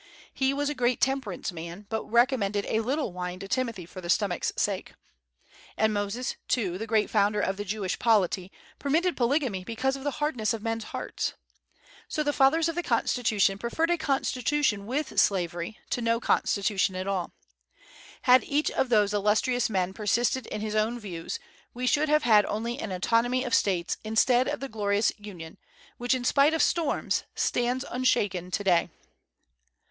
He was a great temperance man, but recommended a little wine to Timothy for the stomach's sake. And Moses, too, the great founder of the Jewish polity, permitted polygamy because of the hardness of men's hearts. So the fathers of the Constitution preferred a constitution with slavery to no constitution at all. Had each of those illustrious men persisted in his own views, we should have had only an autonomy of States instead of the glorious Union, which in spite of storms stands unshaken to day.